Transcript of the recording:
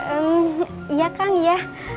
eh ya kang ya